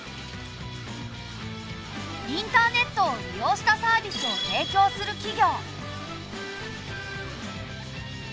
インターネットを利用したサービスを提供する企業。